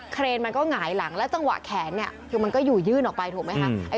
เครนมันก็หงายหลังแล้วจังหวะแขนเนี่ยคือมันก็อยู่ยื่นออกไปถูกไหมคะ